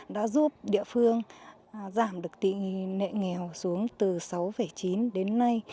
đã giúp địa phương giảm được tỷ lệ nghèo xuống từ sáu chín đến nay